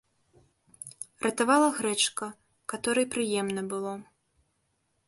Ратавала грэчка, каторай прыемна было.